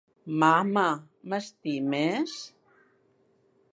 Mama, m'estimes?